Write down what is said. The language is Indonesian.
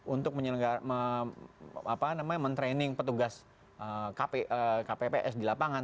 untuk men training petugas kps di lapangan